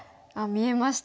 見えました？